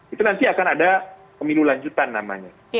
itu nanti akan ada pemilu lanjutan namanya